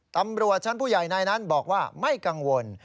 ตำรวจชั้นผู้ใหญ่ในนั้นบอกว่าไม่กังวล